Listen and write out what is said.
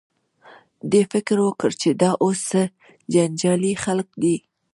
دې فکر وکړ چې دا اوس څه جنجالي خلک دي.